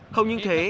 không những thế